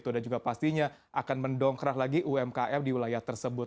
dan juga pastinya akan mendongkrah lagi umkm di wilayah tersebut